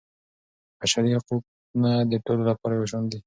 بشري حقونه د ټولو لپاره یو شان دي.